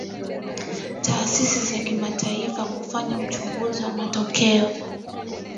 taasisi za kimataifa kufanya uchunguzi wa matokeo